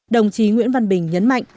đồng chí nguyễn văn bình nhấn mạnh